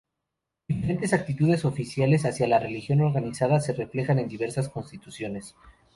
Diferentes actitudes oficiales hacia la religión organizada se reflejan en diversas constituciones.